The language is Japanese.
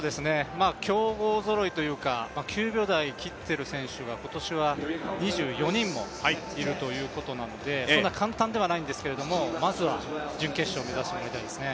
競合ぞろいというか９秒台を切っている選手が今年は２４人もいるということなので簡単ではないんですけどまずは準決勝目指してもらいたいですね。